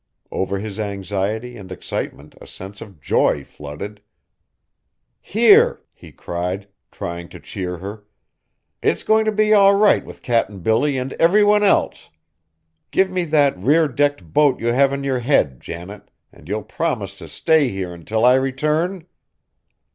Over his anxiety and excitement a sense of joy flooded. "Here!" he cried, trying to cheer her, "it's going to be all right with Cap'n Billy and every one else. Give me that rear decked boat you have on your head, Janet, and you'll promise to stay here until I return?"